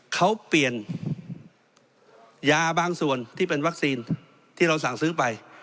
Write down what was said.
เขาเปลี่ยนยาบางส่วนที่เป็นวัคซีนที่เราสั่งซื้อไป